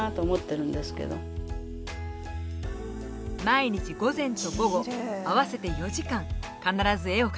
毎日午前と午後合わせて４時間必ず絵を描きます。